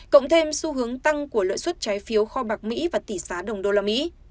cộng thêm xu hướng tăng của lợi xuất trái phiếu kho bạc mỹ và tỷ giá đồng đô la mỹ